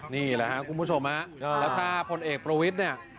นี่แหละครับคุณผู้ชมฮะแล้วถ้าพลเอกประวิทย์เนี่ย